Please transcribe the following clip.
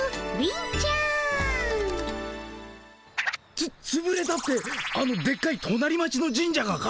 つつぶれたってあのでっかいとなり町の神社がか？